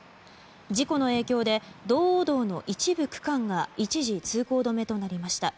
事故の影響で道央道の一部区間が一時通行止めとなりました。